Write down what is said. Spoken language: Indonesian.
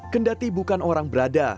kendati bukan orang berada